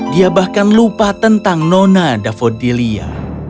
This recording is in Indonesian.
dia bahkan lupa tentang nona davodilia